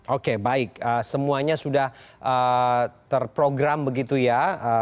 oke baik semuanya sudah terprogram begitu ya